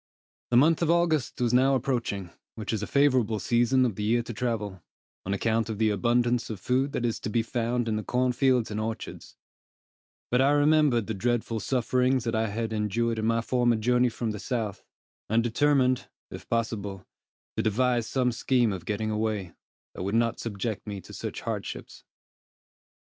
The month of August was now approaching, which is a favorable season of the year to travel, on account of the abundance of food that is to be found in the corn fields and orchards; but I remembered the dreadful sufferings that I had endured in my former journey from the South, and determined, if possible, to devise some scheme of getting away, that would not subject me to such hardships.